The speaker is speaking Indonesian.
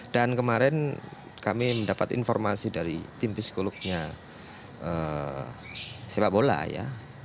dan kemarin kami mendapat informasi dari tim psikolognya sepak bola ya